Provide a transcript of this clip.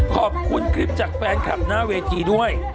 ขอบคุณคลิปจากแฟนคลับหน้าเวทีด้วย